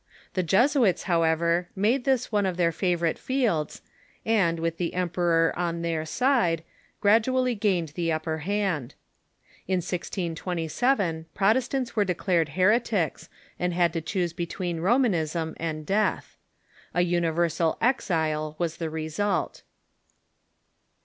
The Jesuits, however, made this one of their favorite fields, and, Avith the emperor on their side, gradually gained the upper hand. In 1627 Protestants were declared heretics, and had to choose betAveen Romanism and death. A universal exile Avas the result.